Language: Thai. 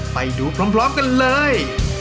ไปดูพร้อมกันเลย